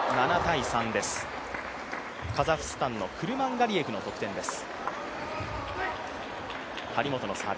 カザフスタンのクルマンガリエフの得点です。